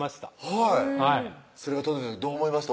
はいそれが届いた時どう思いました？